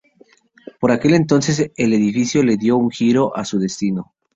Por aquel entonces el edificio le dio un giro a su destino.